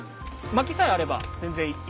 まきさえあれば。